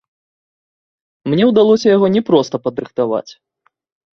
Мне ўдалося яго не проста падрыхтаваць.